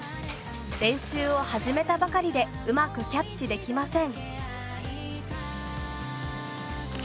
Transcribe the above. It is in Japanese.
練習を始めたばかりでうまくキャッチできません。